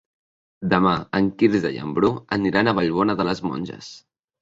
Demà en Quirze i en Bru aniran a Vallbona de les Monges.